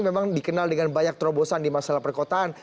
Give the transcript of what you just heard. memang dikenal dengan banyak terobosan di masalah perkotaan